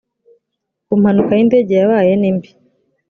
ku mpanuka y indege yabaye nimbi